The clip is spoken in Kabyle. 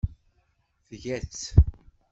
Tga-tt.